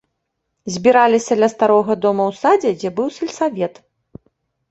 Збіраліся ля старога дома ў садзе, дзе быў сельсавет.